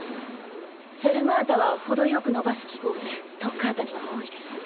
フェルマータは程よくのばす記号でトッカータには多いです。